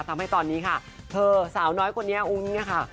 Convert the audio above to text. ทำให้ตอนนี้ค่ะเธอสาวน้อยคนนี้อุ้งเนี่ยค่ะ